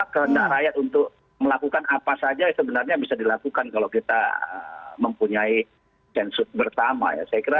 kehendak rakyat untuk melakukan apa saja sebenarnya bisa dilakukan kalau kita mempunyai sensut pertama ya saya kira